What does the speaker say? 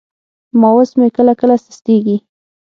ماوس مې کله کله سستېږي.